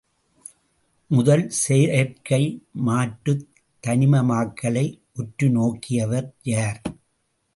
முதல் செயற்கை மாற்றுத் தனிமமாக்கலை உற்றுநோக்கியவர் யார்?